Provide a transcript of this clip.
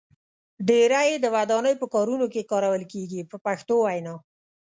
ډیری یې د ودانۍ په کارونو کې کارول کېږي په پښتو وینا.